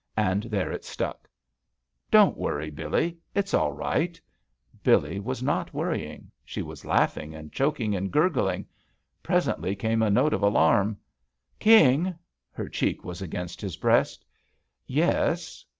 And there it stuck. Don't worry, BiUee. It's all right." BiUee was not worrying. She was laughing and choking and gurgling. Presently came a note of alarm : "King." Her cheek was against his breast. "Yes."